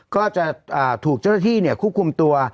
ก็จะถูกเจ้าที่คุกคุมตัว